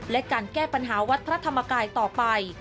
และการแก้ปัญหาวัดพระธรรมกายต่อไป